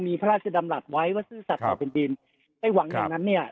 มีพระราชดำรัฐไว้ว่าซื่อสัตว์ต่อแผ่นดินไอ้หวังอย่างนั้นเนี่ย